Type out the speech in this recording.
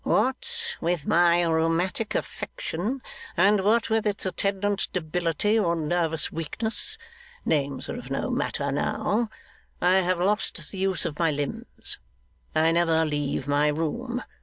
'What with my rheumatic affection, and what with its attendant debility or nervous weakness names are of no matter now I have lost the use of my limbs. I never leave my room.